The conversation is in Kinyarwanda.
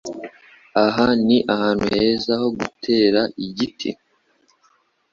Aha ni ahantu heza ho gutera igiti?